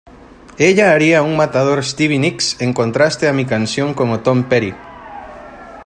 Ella haría un matador Stevie Nicks en contraste a mi canción como Tom Petty.